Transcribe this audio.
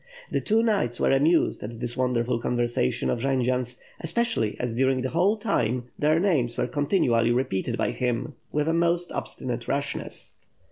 The two knights were amused at this wonderful conversation of Jendzian's; especially as during the whole time, their names were continually repeated by him, with a most obstinate rashness.